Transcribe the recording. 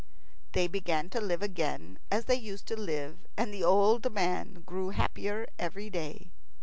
They began to live again as they used to live, and the old man grew happier every day.